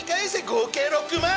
合計６万。